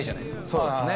そうですね。